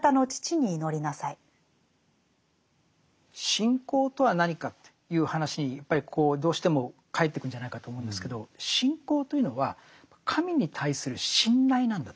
信仰とは何かという話にやっぱりどうしてもかえっていくんじゃないかと思うんですけど信仰というのは神に対する信頼なんだと思うんです。